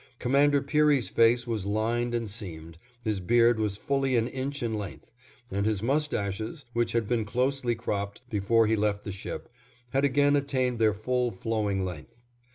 Commander Peary's face was lined and seamed, his beard was fully an inch in length, and his mustaches, which had been closely cropped before he left the ship, had again attained their full flowing length.